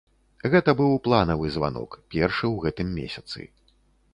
Гэта быў планавы званок, першы ў гэтым месяцы.